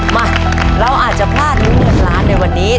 มาเราอาจจะพลาดลุ้นเงินล้านในวันนี้